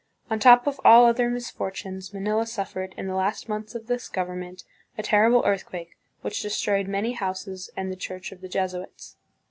" On top of all other misfortunes, Manila suffered, in the last months of this government, a terrible earth quake, which destroyed many houses and the church of the Jesuits."